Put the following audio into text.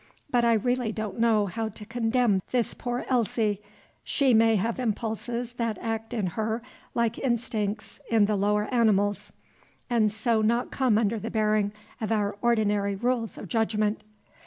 But I really don't know how to condemn this poor Elsie; she may have impulses that act in her like instincts in the lower animals, and so not come under the bearing of our ordinary rules of judgment."